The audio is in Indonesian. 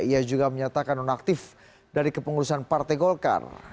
ia juga menyatakan non aktif dari kepengurusan partai golkar